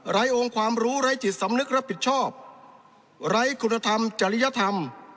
ไหล่องความรู้ไหล่จิตสำนึกและผิดชอบไหล่คุณธรรมจริยธรรม